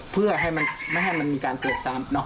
เพื่อไม่ให้มันมีการเตรียมซ้ำ